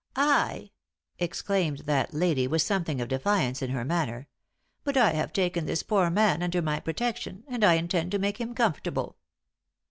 "I!" exclaimed that lady, with something of defiance in her manner. "But I have taken this poor man under my protection, and I intend to make him comfortable."